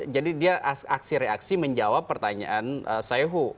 jadi dia aksi reaksi menjawab pertanyaan saeho